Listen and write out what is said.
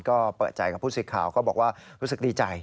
ก็เปิดใจกับผู้สื่อข่าวก็บอกว่ารู้สึกดีใจ